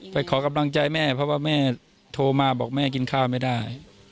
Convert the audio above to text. ขอกำลังใจแม่เพราะว่าแม่โทรมาบอกแม่กินข้าวไม่ได้